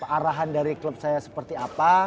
arahannya dari klub saya seperti apa